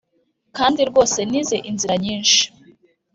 kandi rwose nize inzira nyinshi